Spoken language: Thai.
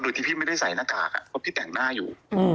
โดยที่พี่ไม่ได้ใส่หน้ากากเพราะพี่แต่งหน้าอยู่